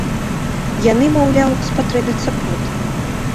Яны, маўляў, спатрэбяцца потым.